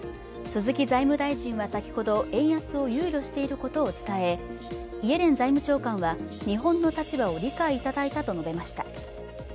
鈴木財務大臣は先ほど、円安を憂慮していることを伝え、イエレン財務長官は、日本の立場を理解いただいたと述べました。